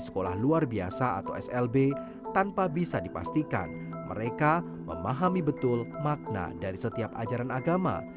sekolah luar biasa atau slb tanpa bisa dipastikan mereka memahami betul makna dari setiap ajaran agama